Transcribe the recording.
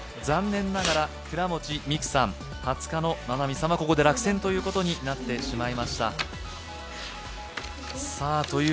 残念ながら倉持美空さん、初鹿野七海さんはここで落選ということになってしまいました。